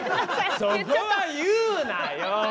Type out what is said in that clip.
そこは言うなよ！